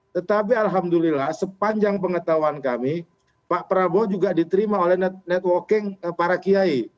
tetapi alhamdulillah sepanjang pengetahuan kami pak prabowo juga diterima oleh networking para kiai